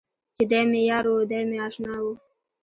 چې دی مې یار و، دی مې اشنا و.